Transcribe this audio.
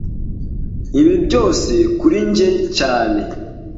Ibi byose kuri njye cyane